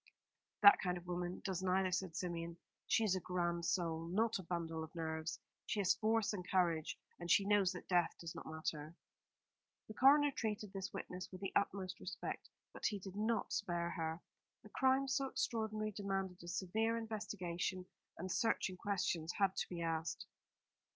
"That kind of woman does neither," said Symeon. "She is a grand soul, not a bundle of nerves. She has force and courage; and she knows that death does not matter." The coroner treated this witness with the utmost respect, but he did not spare her. A crime so extraordinary demanded a severe investigation, and searching questions had to be asked.